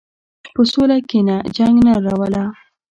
په سوله کښېنه، جنګ نه راوله.